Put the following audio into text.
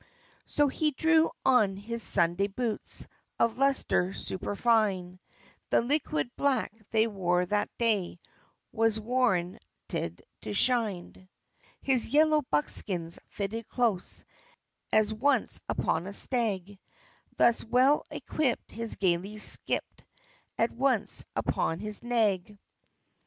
So he drew on his Sunday boots, Of lustre superfine; The liquid black they wore that day Was Warren ted to shine. His yellow buckskins fitted close, As once upon a stag; Thus well equipt he gaily skipt, At once, upon his nag.